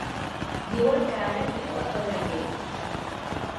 Diuen que ara viu a Pedreguer.